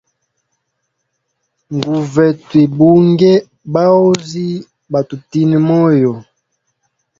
Nguve twigunge bahozi batutine moyo.